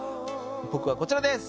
僕はこちらです。